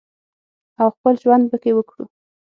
او خپل ژوند پکې وکړو